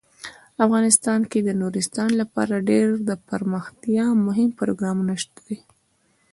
افغانستان کې د نورستان لپاره ډیر دپرمختیا مهم پروګرامونه شته دي.